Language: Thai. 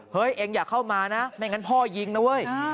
เฮ้ยเองอย่าเข้ามานะไม่อย่างนั้นพ่อยิงนะเว้ย